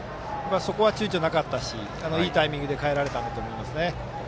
そこはちゅうちょなかったしいいタイミングで代えられたと思います。